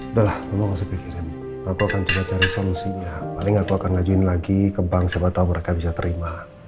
udah lah mama gak usah pikirin aku akan coba cari solusinya paling aku akan ngajuin lagi ke bank siapa tau mereka bisa terima